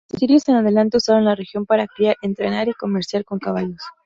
Los asirios en adelante usaron la región para criar, entrenar y comerciar con caballos.